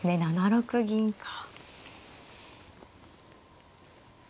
７六銀か。